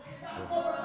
aku tak mau lagi dada